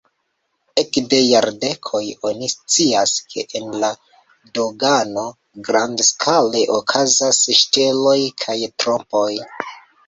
Ekde jardekoj oni scias, ke en la dogano grandskale okazas ŝteloj kaj trompoj.